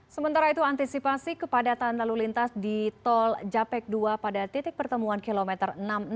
sementara itu antisipasi kepadatan lalu lintas di tol japek dua pada titik pertemuan kilometer enam puluh enam